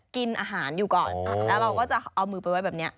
กินอาหารอยู่ก่อนแล้วเราก็จะเอามือไปไว้แบบนี้